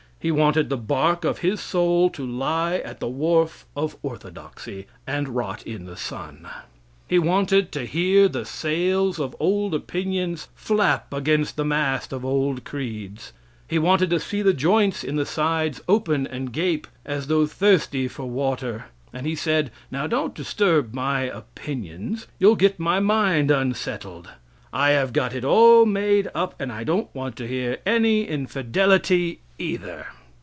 He wanted the bark of his soul to lie at the wharf of orthodoxy, and rot in the sun. He wanted to hear the sails of old opinions flap against the mast of old creeds. He wanted to see the joints in the sides open and gape, as though thirsty for water, and he said: "Now don't disturb my opinions; you'll get my mind unsettled; I have got it all made up, and I don't want to hear any infidelity, either."